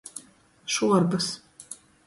Šuorbys.